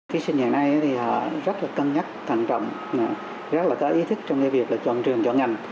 thí sinh ngày nay rất là cân nhắc thận trọng rất là có ý thức trong việc chọn trường chọn ngành